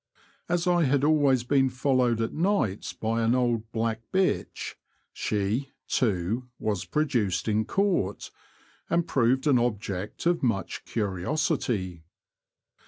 As I had always been followed at nights by an old black bitch, she, too, was produced in court, and proved an object of much curiosity.